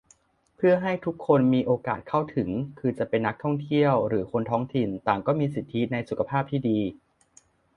เพื่อให้ทุกคนมีโอกาสเข้าถึง คือจะเป็นนักท่องเที่ยวหรือคนท้องถิ่น ต่างก็มีสิทธิในสุขภาพที่ดี